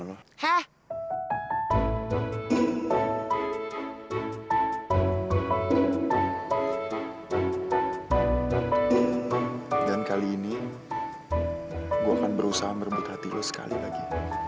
gue akan berusaha merebut hati lo sekali lagi